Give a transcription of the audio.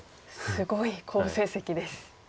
すごい好成績です。